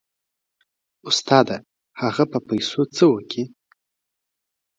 استاده هغه به په پيسو څه وكي.